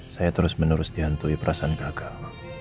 saya terus menerus dihantui perasaan beragam